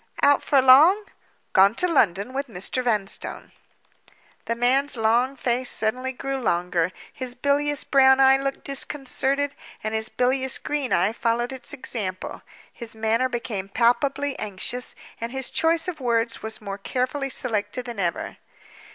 "Out for long?" "Gone to London with Mr. Vanstone." The man's long face suddenly grew longer. His bilious brown eye looked disconcerted, and his bilious green eye followed its example. His manner became palpably anxious; and his choice of words was more carefully selected than ever.